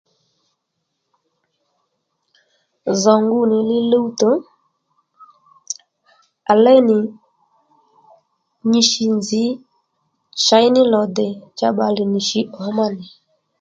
Zòw ngu nì li luwto à léy nì nyi shi nzǐ chěy ní lòdè cha bbalè nì shǐ ǒ má nì